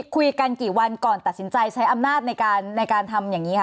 คุยกันกี่วันก่อนตัดสินใจใช้อำนาจในการทำอย่างนี้ค่ะ